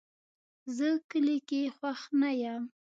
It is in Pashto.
زه کلي کې خوښ نه یم